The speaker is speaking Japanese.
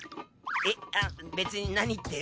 えっ別に何って。